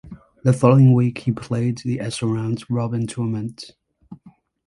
The following week he played the Esso Round Robin tournament.